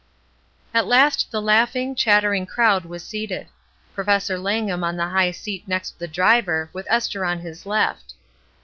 At last the laughing, chattering crowd was seated. Professor Langham on the high seat next the driver, with Esther on his left.